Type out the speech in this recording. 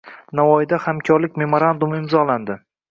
Navoiyda hamkorlik memorandumi imzolandi